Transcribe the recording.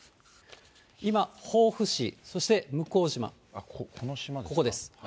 今、防府市、そして向島、ここですね。